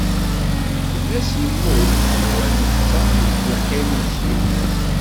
Gma-s immut, siwa netta i s-d-iqqimen s yemma-s.